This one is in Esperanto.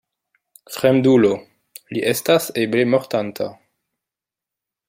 Fremdulo, li estas eble mortanta.